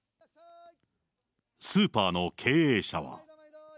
スーパーの経営者は。